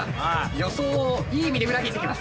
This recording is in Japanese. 予想をいい意味で裏切ってきます。